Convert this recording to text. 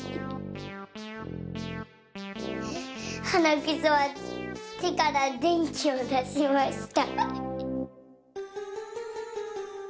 はなくそはてからでんきをだしました。